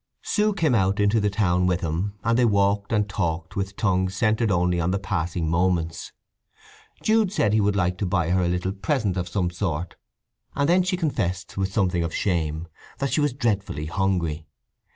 Sue came out into the town with him, and they walked and talked with tongues centred only on the passing moments. Jude said he would like to buy her a little present of some sort, and then she confessed, with something of shame, that she was dreadfully hungry.